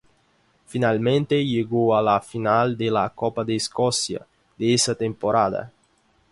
Finalmente, llegó a la final de la Copa de Escocia de esa temporada.